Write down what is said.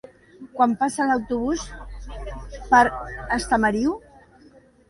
Quan passa l'autobús per Estamariu?